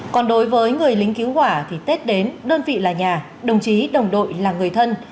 còn đối với người lính cứu hỏa thì tết đến đơn vị là nhà đồng chí đồng đội là người thân